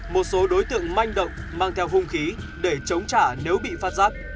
một số đối tượng manh động mang theo hung khí để chống trả nếu bị phát giác